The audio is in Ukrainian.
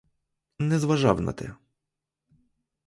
Не зважав на те.